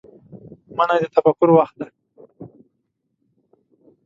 منی د تفکر وخت دی